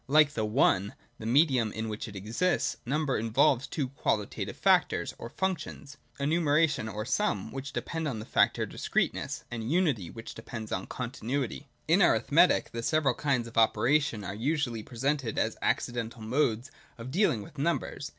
Like the One, the medium in which it exists, Number involves two qualitative factors or functions; Annumeration or Sum, which depends on the factor discreteness, and Unity, which depends on continuity. In arithmetic the several kinds of operation are usually presented as accidental modes of dealing with numbers.